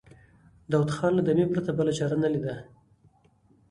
داوود خان له دمې پرته بله چاره نه ليده.